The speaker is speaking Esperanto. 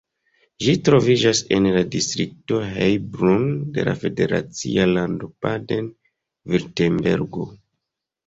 Ĝi troviĝas en la distrikto Heilbronn de la federacia lando Baden-Virtembergo.